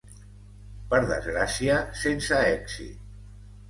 Per desgràcia, sense èxit.